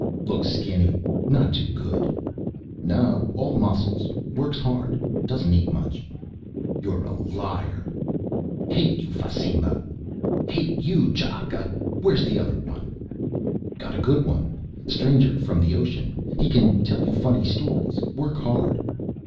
"Look skinny. Not too good." "No, all muscles. Works hard. Doesn't eat much." "You're a liar!" "Hate you, Fasimba!" "Hate you, Ch'aka! Where's the other one?" "Got a good one. Stranger from the ocean. He can tell you funny stories, work hard."